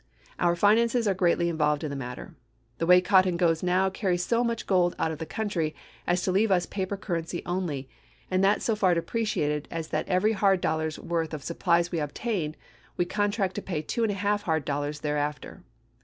Our finances are greatly involved in the matter. The way cotton goes now carries so much gold out of the country as to leave us paper currency only, and that so far depreciated as that for every hard dollar's worth of supplies we obtain, we contract to pay two and a half hard dollars hereafter.